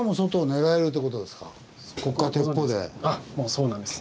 そうなんです。